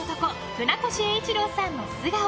船越英一郎さんの素顔。